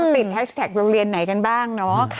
ติดแท็กโรงเรียนไหนกันบ้าง